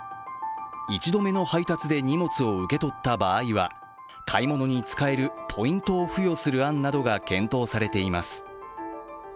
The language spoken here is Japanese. １度目の配達で荷物を受け取った場合は買い物に使えるポイントを付与する案などが検討されています。